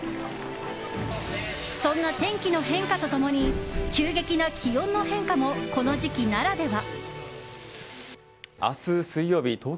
そんな天気の変化と共に急激な気温の変化もこの時期ならでは。